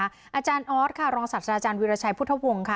อาจารย์ออสค่ะรองศาสตราจารย์วิราชัยพุทธวงศ์ค่ะ